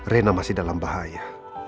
rena masih dalam bahaya